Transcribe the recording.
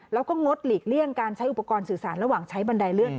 แล้วก็งดหลีกเลี่ยงการใช้อุปกรณ์สื่อสารระหว่างใช้บันไดเลื่อน